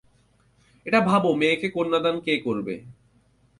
এটা ভাবো মেয়েকে কন্যাদান কে করবে।